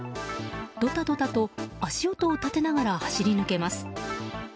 ドタドタと足音を立てながら走り抜けます。